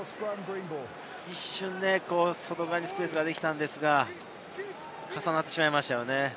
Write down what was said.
一瞬、外側にスペースができたのですが、重なってしまいましたね。